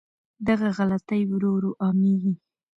دغه غلطۍ ورو ورو عامېږي.